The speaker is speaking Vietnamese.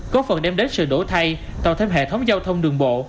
có phần đem đến sự đổi thay tạo thêm hệ thống giao thông đường bộ